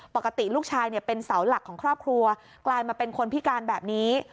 ปกติลูกชายเป็นเสาหลักของครอบครัวกลายมาเป็นคนพิการแบบนี้